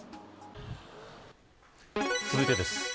続いてです。